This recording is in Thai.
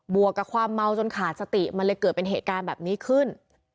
วกกับความเมาจนขาดสติมันเลยเกิดเป็นเหตุการณ์แบบนี้ขึ้น